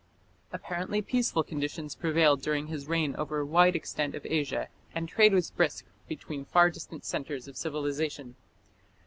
Apparently peaceful conditions prevailed during his reign over a wide extent of Asia and trade was brisk between far distant centres of civilization.